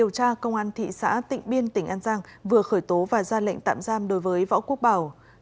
cơ quan cảnh sát điều tra công an thị xã tịnh biên tỉnh an giang vừa khởi tố và ra lệnh tạm giam đối với võ quốc bảo